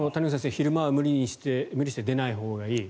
昼間は無理して出ないほうがいい。